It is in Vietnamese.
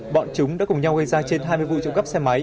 bọn chúng đã cùng nhau gây ra trên hai mươi vụ trộm cắp xe máy